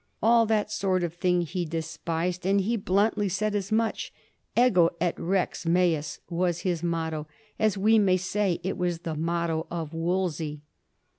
All that sort of thing he despised, and he bluntly said as much. ^^ Ego et rex mens " was his motto, as we may say it was the motto of Wolsey.